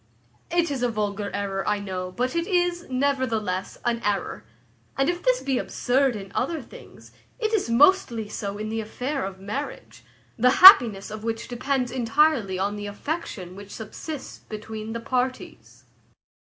It is a vulgar error, I know; but it is, nevertheless, an error. And if this be absurd in other things, it is mostly so in the affair of marriage, the happiness of which depends entirely on the affection which subsists between the parties.